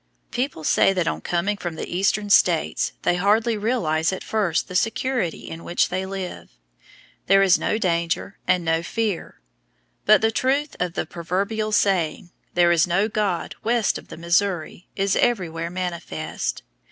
People say that on coming from the Eastern States they hardly realize at first the security in which they live. There is no danger and no fear. But the truth of the proverbial saying, "There is no God west of the Missouri" is everywhere manifest.